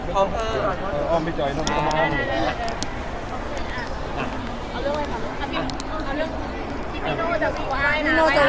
สวัสดีค่า